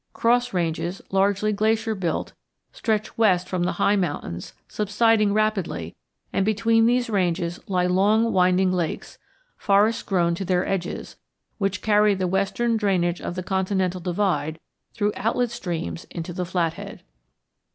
Cross ranges, largely glacier built, stretch west from the high mountains, subsiding rapidly; and between these ranges lie long winding lakes, forest grown to their edges, which carry the western drainage of the continental divide through outlet streams into the Flathead.